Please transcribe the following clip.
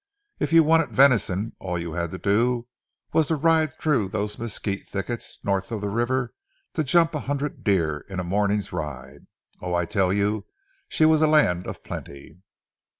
If you wanted venison, all you had to do was to ride through those mesquite thickets north of the river to jump a hundred deer in a morning's ride. Oh, I tell you she was a land of plenty."